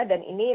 dan ini lagi